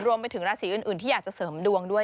รวมไปถึงราศีอื่นที่อยากจะเสริมดวงด้วย